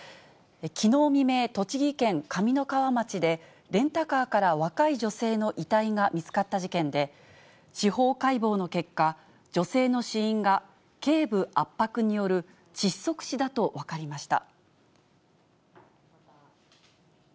きのう未明、栃木県上三川町で、レンタカーから若い女性の遺体が見つかった事件で、司法解剖の結果、女性の死因が頸部圧迫による窒息死だと分かりました。